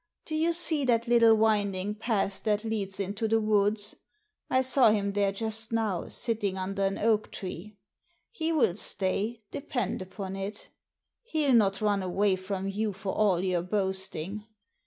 Do you see that little winding path that leads into the woods ? I saw him there just now, sitting under an oak tree. He will stay, depend upon it. He '11 not run away from you for all your boasting.